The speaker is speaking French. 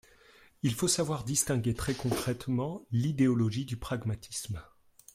Il faut savoir distinguer très concrètement l’idéologie du pragmatisme.